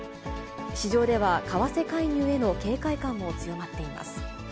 市場では為替介入への警戒感も強まっています。